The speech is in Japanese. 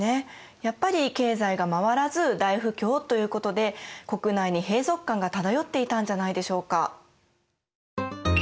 やっぱり経済が回らず大不況ということで国内に閉塞感が漂っていたんじゃないでしょうか。